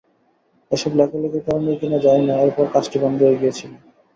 এসব লেখালেখির কারণেই কিনা জানি না, এরপর কাজটি বন্ধ হয়ে গিয়েছিল।